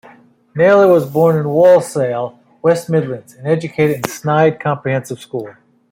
Naylor was born in Walsall, West Midlands, and educated at Sneyd Comprehensive School.